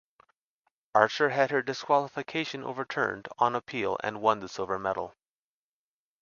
Archer had her disqualification overturned on appeal and won the silver medal.